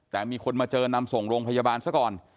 แต่มีคนมาเจอนำส่งโรงพยาบาลซะก่อน